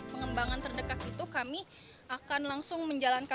pengembangan terdekat itu kami akan langsung menjalankan